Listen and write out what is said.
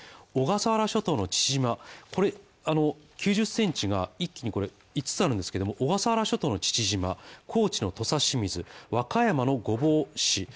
小笠原諸島の父島これ９０センチが一気にこれ五つあるんですけども、小笠原諸島の父島高知の土佐清水和歌山御坊市